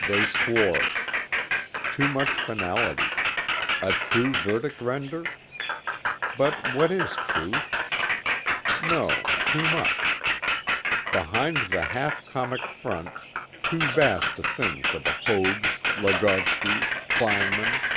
They swore. Too much finality. A true verdict render? but what is truth? No, too much. Behind the half comic front, too vast a thing for the Hoags, Lagovskis, Kleinmans.